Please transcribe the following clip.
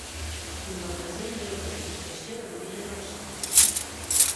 Fins al present no hi ha hagut explicació de l'origen del so.